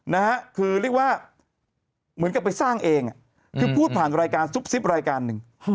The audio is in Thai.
นะฮะคือเรียกว่าเหมือนกับไปสร้างเองคือพูดผ่านรายการซุบซิบรายการหนึ่ง